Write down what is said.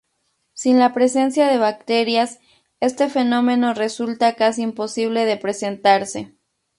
Sin la presencia de bacterias este fenómeno resulta casi imposible de presentarse.